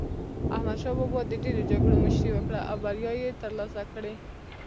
احمد شاه بابا د ډېرو جګړو مشري وکړه او بریاوي یې ترلاسه کړې.